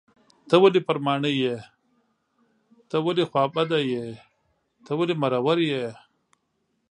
ته ولې پر ماڼي یې .ته ولې خوابدی یې .ته ولې مرور یې